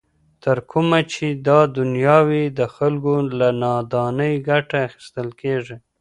تر کومه چي دا دنیا وي د خلګو له نادانۍ ګټه اخیستل کیږي.